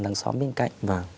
đằng xóm bên cạnh